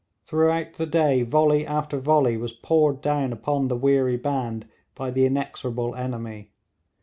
Throughout the day volley after volley was poured down upon the weary band by the inexorable enemy.